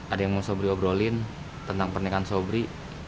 ada yang mau sobri obrolin tentang pernikahan sobri